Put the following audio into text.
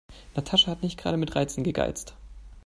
Natascha hat nicht gerade mit Reizen gegeizt.